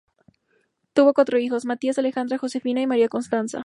Tuvo cuatro hijos, Matías, Alejandra, Josefina y María Constanza.